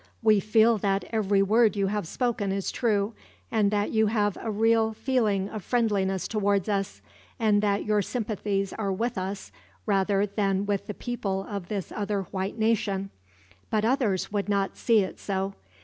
We feel that every word you have spoken is true, and that you have a real feeling of friendliness towards us, and that your sympathies are with us, rather than with the people of this other white nation. But others would not see it so.